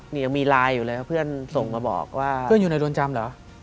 นี่ยังมีไลน์อยู่เลยครับเพื่อนส่งมาบอกว่าเพื่อนอยู่ในเรือนจำเหรอ